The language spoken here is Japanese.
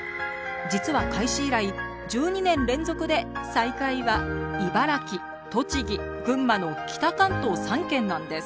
実は開始以来１２年連続で最下位は茨城栃木群馬の北関東３県なんです。